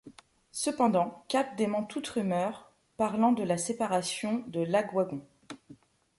Cependant, Cape dément toute rumeur parlant de la séparation de Lagwagon.